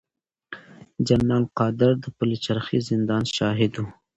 جنرال قادر د پلچرخي زندان شاهد و.